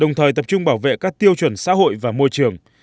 đồng thời tập trung bảo vệ các tiêu chuẩn xã hội và môi trường